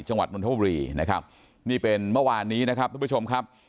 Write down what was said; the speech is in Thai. นนทบุรีนะครับนี่เป็นเมื่อวานนี้นะครับทุกผู้ชมครับ